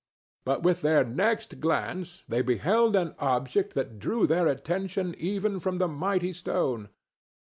But with their next glance they beheld an object that drew their attention even from the mighty stone.